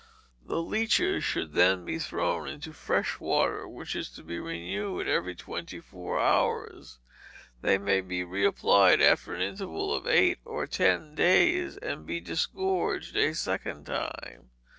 The leeches should then be thrown into fresh water, which is to be renewed every twenty four hours: they may then be re applied after an interval of eight or ten days, and be disgorged a second time.